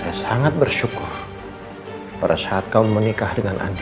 saya sangat bersyukur pada saat kamu menikah dengan andi